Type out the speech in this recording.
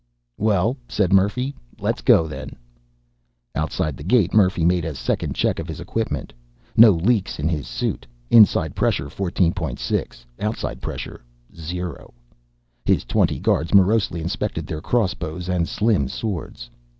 "Well," said Murphy, "let's go then." Outside the gate Murphy made a second check of his equipment. No leaks in his suit. Inside pressure: 14.6. Outside pressure: zero. His twenty guards morosely inspected their crossbows and slim swords.